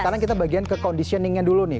sekarang kita bagian ke conditioningnya dulu nih